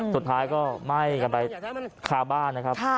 สุดท้ายก็ไหม้กันไปคาบ้านนะครับ